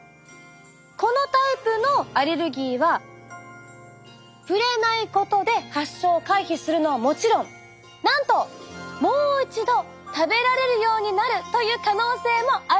このタイプのアレルギーは触れないことで発症を回避するのはもちろんなんともう一度食べられるようになるという可能性もあるんです。